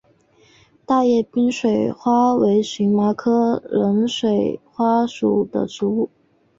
大叶冷水花为荨麻科冷水花属的植物。